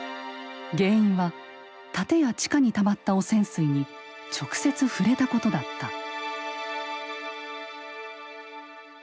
原因は建屋地下にたまった汚染水に直接触れたことだった。